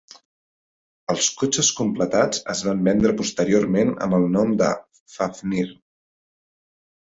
Els cotxes completats es van vendre posteriorment amb del nom de "Fafnir".